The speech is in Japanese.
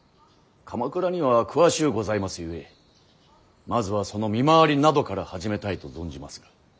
鎌倉には詳しゅうございますゆえまずはその見回りなどから始めたいと存じますが。